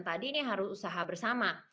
tadi ini harus usaha bersama